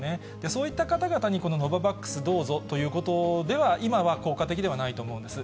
そういった方々にこのノババックスどうぞということでは、今は効果的ではないと思うんです。